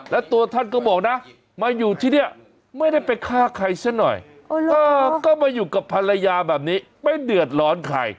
แล้วตัวท่านก็บอกนะมาอยู่ที่นี่ไม่ได้ไปฆ่าใครซะหน่อยก็มาอยู่กับภรรยาแบบนี้ไม่เดือดร้อนใคร